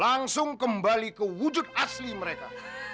langsung kembali ke wujud asli mereka